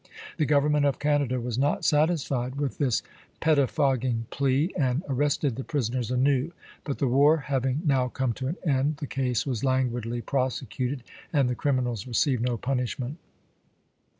The Government of Can ada was not satisfied with this pettifogging plea, and arrested the prisoners anew; but the war having now come to an end, the case was languidly prose cuted, and the criminals received no punishment.